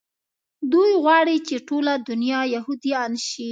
دوى غواړي چې ټوله دونيا يهودان شي.